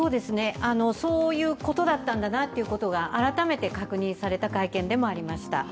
そういうことだったんだと改めて確認された会見でもありました。